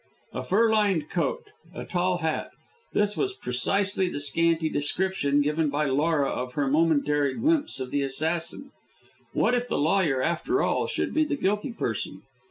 A fur lined coat, a tall hat. This was precisely the scanty description given by Laura of her momentary glimpse of the assassin. What if the lawyer, after all, should be the guilty person?